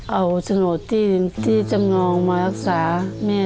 เอาโฉนดที่จำนองมารักษาแม่